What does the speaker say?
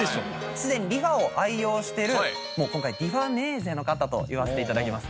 すでにリファを愛用してるもう今回リファネーゼの方と言わせて頂きます。